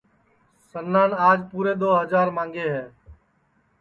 سنان آج پُورے دؔو ہجار ماںٚگے ہے